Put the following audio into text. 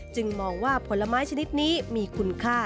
มองว่าผลไม้ชนิดนี้มีคุณค่า